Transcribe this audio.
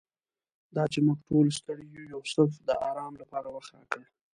دا چې موږ ټول ستړي وو یوسف د آرام لپاره وخت راکړ.